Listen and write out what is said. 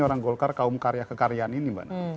orang golkar kaum karya kekaryaan ini